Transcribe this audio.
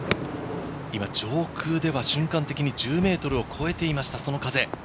今、上空では瞬間的に１０メートルを超えていました、その風。